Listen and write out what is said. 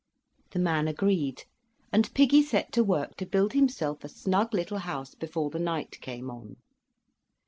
The man agreed, and piggy set to work to build himself a snug little house before the night came on.